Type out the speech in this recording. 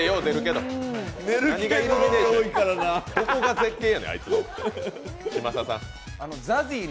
どこが絶景やねん、あいつの。